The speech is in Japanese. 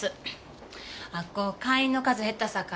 あそこ会員の数減ったさかい